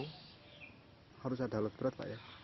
harus ada halus berat ya